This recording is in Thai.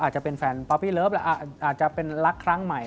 อาจจะเป็นแฟนป๊อปปี้เลิฟอาจจะเป็นรักครั้งใหม่